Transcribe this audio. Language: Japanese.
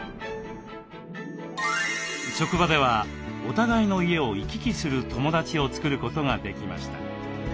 職場ではお互いの家を行き来する友だちを作ることができました。